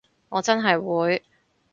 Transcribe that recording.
我真係會